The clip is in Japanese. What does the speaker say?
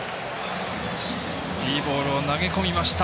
いいボールを投げ込みました。